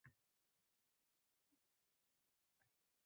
Minorida uxlar quyosh Buxoro